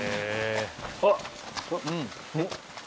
あっ！